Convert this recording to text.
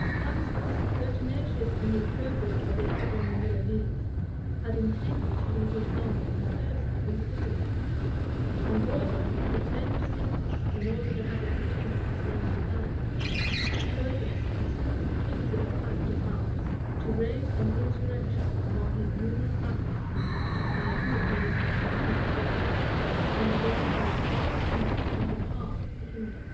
[*] Francis, pertinacious in his purpose of recovering the Milanese, had intended to lead his army in person into Italy; and Bourbon, who feigned sickness in order to have a pretence for staying behind, purposed, as soon as the king should have passed the Alps, to raise an insurrection among his numerous vassals, by whom he was extremely beloved, and to introduce foreign enemies into the heart of the kingdom.